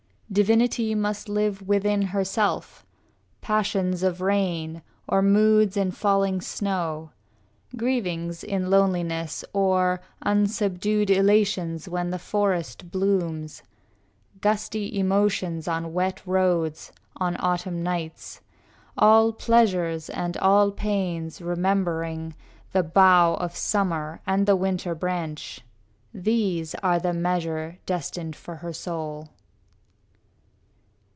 Divinity must live within herself: Passions of rain, or moods in falling snow; Grievings in loneliness, or unsubdued Elations when the forest blooms; gusty Emotions on wet roads on autumn nights; All pleasures and all pains, remembering The bough of summer and the winter branch. These are the measures destined for her soul.